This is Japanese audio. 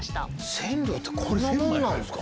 千両ってこんなもんなんすか。